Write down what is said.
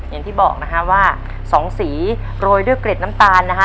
อย่างที่บอกนะฮะว่าสองสีโรยด้วยเกร็ดน้ำตาลนะฮะ